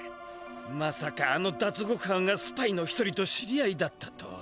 まさかあのだつごくはんがスパイの一人と知り合いだったとは。